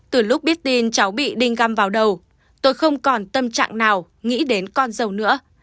từ lúc biết tin cháu bị đinh găm vào đầu tôi không còn tâm trạng nào nghĩ đến con dâu nữa